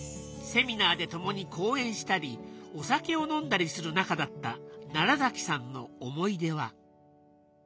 セミナーで共に講演したりお酒を飲んだりする仲だった奈良崎さんの思い出は。